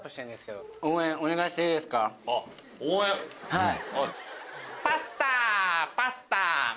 はい。